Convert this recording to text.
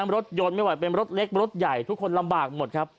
รถยนต์ไม่ไหวเป็นรถเล็กรถใหญ่ทุกคนลำบากหมดครับ